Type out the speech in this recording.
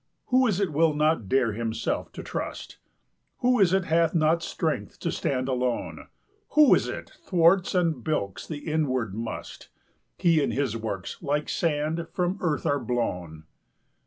Who is it will not dare himself to trust? 25 Who is it hath not strength to stand alone? Who is it thwarts and bilks the inward MUST? He and his works, like sand, from earth are blown?